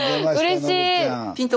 うれしい！